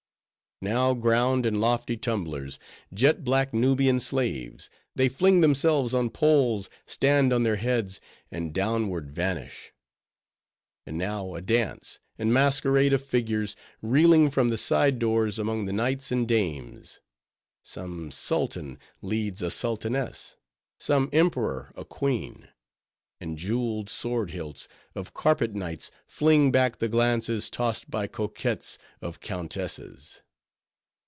Now, ground and lofty tumblers; jet black Nubian slaves. They fling themselves on poles; stand on their heads; and downward vanish. And now a dance and masquerade of figures, reeling from the side doors, among the knights and dames. Some sultan leads a sultaness; some emperor, a queen; and jeweled sword hilts of carpet knights fling back the glances tossed by coquettes of countesses.